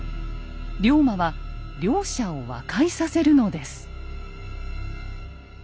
龍馬は両者を和解させるのです。